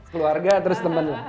keluarga terus teman